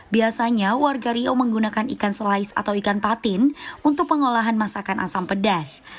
biasanya warga rio menggunakan ikan selais atau ikan patin untuk pengolahan masakan asam pedas